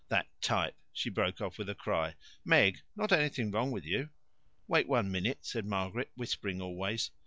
"That type " She broke off with a cry. "Meg, not anything wrong with you?" "Wait one minute," said Margaret, whispering always.